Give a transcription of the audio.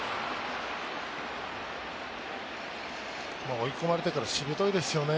追い込まれてからしぶといですよね。